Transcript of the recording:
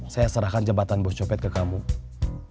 saya serahkan jembatan bos copet ke kang bahar